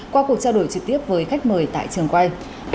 qua cuộc trao đổi trực tiếp với khách mời tại trường quay